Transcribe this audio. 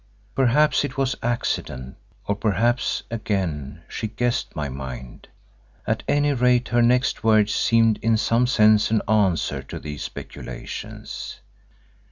Perhaps it was accident, or perhaps, again, she guessed my mind. At any rate her next words seemed in some sense an answer to these speculations.